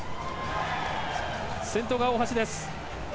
先頭が大橋です。